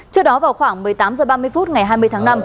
trước đó vào khoảng một mươi tám h ba mươi phút ngày hai mươi tháng năm